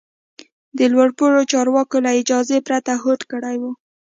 د لوړ پوړو چارواکو له اجازې پرته هوډ کړی و.